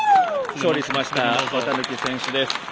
勝利しました綿貫選手です。